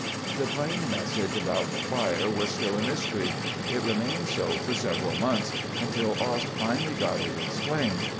The plane message about the fire was still a mystery. It remained so for several months, until Ost finally got it explained.